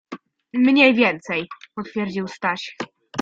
- Mniej więcej - potwierdził Staś.